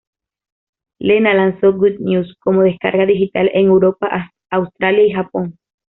Lena lanzó "Good News" como descarga digital en Europa, Australia y Japón.